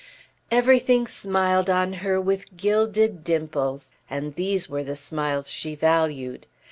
Everything smiled on her with gilded dimples, and these were the smiles she valued.